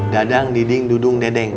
dadang diding dudung dedeng